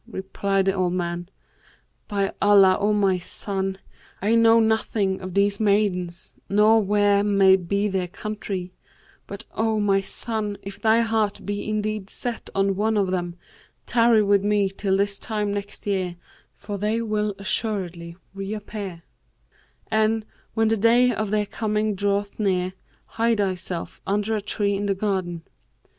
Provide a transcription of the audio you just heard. Replied the old man, 'By Allah O my son, I know nothing of these maidens nor where may be their country; but, O my son, if thy heart be indeed set on one of them, tarry with me till this time next year for they will assuredly reappear; and, when the day of their coming draweth near, hide thyself under a tree in the garden.